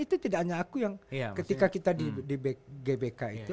itu tidak hanya aku yang ketika kita di gbk itu